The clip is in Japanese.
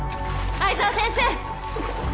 藍沢先生！